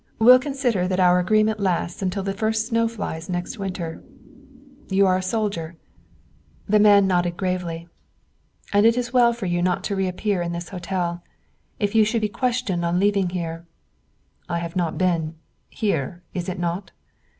We'll consider that our agreement lasts until the first snow flies next winter. You are a soldier. There need be no further discussion of this matter, Oscar." The man nodded gravely. "And it is well for you not to reappear in this hotel. If you should be questioned on leaving here " "I have not been, here is it not?"